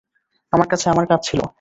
আমার কাছে আমার কাজ ছিলো।